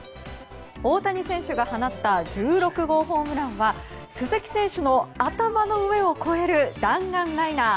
大谷選手が放った１６号ホームランは鈴木選手の頭の上を越える弾丸ライナー。